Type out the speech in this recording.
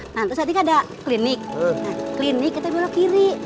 nah itu tadi kan ada klinik klinik kita belok kiri